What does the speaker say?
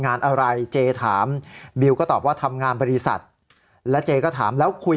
งานอะไรเจถามบิวก็ตอบว่าทำงานบริษัทและเจก็ถามแล้วคุย